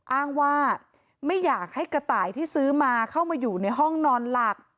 อ้างว่าไม่อยากให้กระต่ายที่ซื้อมาเข้ามาอยู่ในห้องนอนหลัก